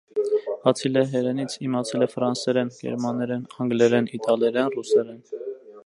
Բացի լեհերենից՝ իմացել է ֆրանսերեն, գերմաներեն, անգլերեն, իտալերեն, ռուսերեն։